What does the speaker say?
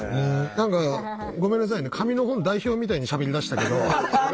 何かごめんなさいね紙の本代表みたいにしゃべりだしたけど。